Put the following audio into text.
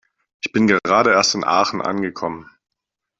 Ich bin gerade erst in Aachen angekommen